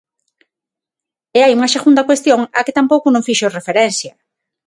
E hai unha segunda cuestión á que tampouco non fixo referencia.